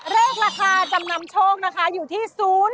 เลขราคาจำนำโชคนะคะอยู่ที่